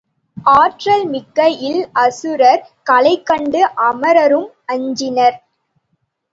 ஆற்றல் மிக்க இல் அசுரர் களைக்கண்டு அமரரும் அஞ்சினர்.